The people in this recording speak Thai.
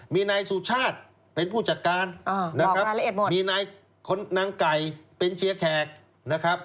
มีนายสุชาติเป็นผู้จัดการมีนายนางไก่เป็นเชียร์แขก